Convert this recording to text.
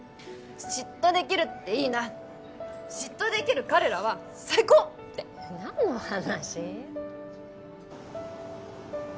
嫉妬できるっていいな嫉妬できる彼らは最高！って何の話？